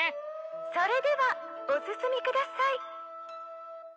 それではお進みください。